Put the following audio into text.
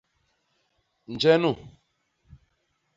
Njee nu?